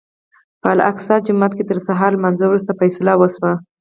په الاقصی جومات کې تر سهار لمانځه وروسته فیصله وشوه.